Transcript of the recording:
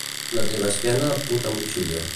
La teva esquena put a motxilla.